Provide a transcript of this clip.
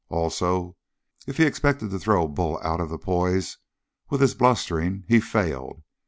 Also, if he expected to throw Bull out of the poise with this blustering, he failed.